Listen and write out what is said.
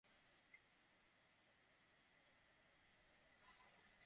Peter কাস্টার্সের মৃত্যুতে একাত্তরের ঘাতক দালাল নির্মূল কমিটি গভীর শোক প্রকাশ করেছে।